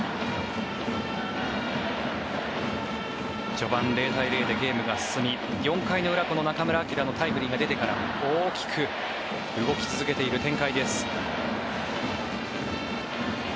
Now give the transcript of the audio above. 序盤、０対０でゲームが進み４回の裏、この中村晃のタイムリーが出てから大きく動き続けている展開です。